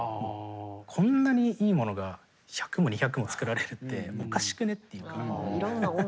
こんなにいいものが１００も２００も作られるっておかしくねって。